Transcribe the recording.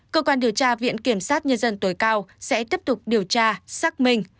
cơ quan điều tra viện kiểm sát nhân dân tối cao sẽ tiếp tục điều tra xác minh